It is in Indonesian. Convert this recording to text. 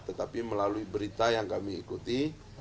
tetapi melalui berita yang kami ikuti